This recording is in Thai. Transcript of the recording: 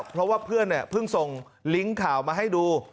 เพราะว่าเพื่อนเพิ่งส่งลิงก์ข่าวมาให้ดู